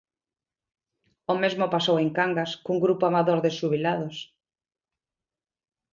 O mesmo pasou en Cangas, cun grupo amador de xubilados.